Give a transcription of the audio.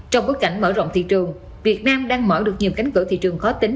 trong bối cảnh mở rộng thị trường việt nam đang mở được nhiều cánh cửa thị trường khó tính